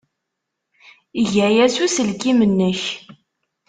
Eg aya s uselkim-nnek.